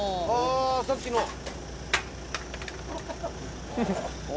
ああさっきの。